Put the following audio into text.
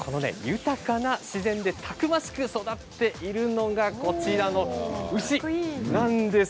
豊かな自然でたくましく育っているのがこちらの牛なんです。